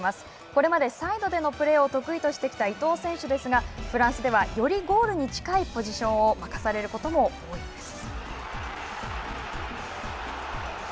これまでサイドでのプレーを得意としてきた伊東選手ですが、フランスでは、よりゴールに近いポジションを任されることも多いんです。